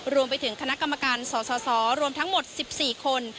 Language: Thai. รวมไปถึงคณะกรรมการสสรวมทั้งหมด๑๔คน